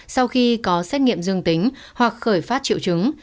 sau khi có xét nghiệm dương tính hoặc khởi phát triệu chứng